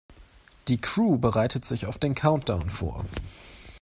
Die Crew bereitet sich auf den Countdown vor.